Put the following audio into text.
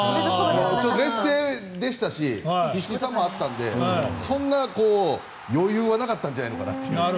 劣勢でしたし必死さもあったのでそんな余裕はなかったんじゃないかと。